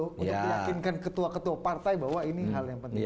untuk meyakinkan ketua ketua partai bahwa ini hal yang penting